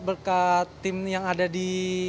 berkat tim yang ada di